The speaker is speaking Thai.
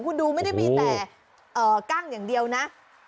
คุณดูไม่ได้มีแต่กั้งอย่างเดียวนะ